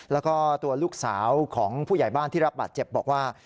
แล้วก็ตัวลูกสาวของผู้ใหญ่บ้านที่รับบาดเจ็บบอกว่า